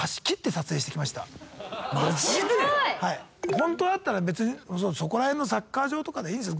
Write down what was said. ほんとだったら別にそこらへんのサッカー場とかでいいんですよ。